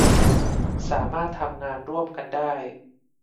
สามารถทำงานร่วมกันได้